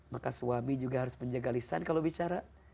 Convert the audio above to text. maka suami juga harus menjaga lisan kalau bicara